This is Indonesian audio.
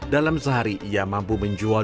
dalam sehari ia mampu menjual